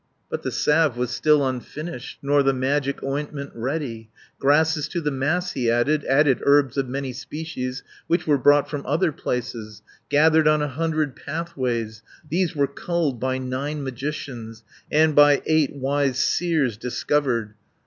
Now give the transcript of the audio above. But the salve was still unfinished, Nor the magic ointment ready; Grasses to the mass he added, Added herbs of many species, Which were brought from other places, Gathered on a hundred pathways, These were culled by nine magicians, And by eight wise seers discovered.